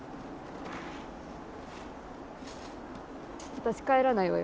私帰らないわよ。